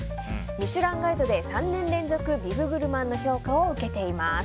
「ミシュランガイド」で３年連続でビブグルマンの評価を受けています。